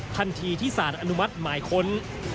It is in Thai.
ทันทีที่สารอนุมัติหมายค้น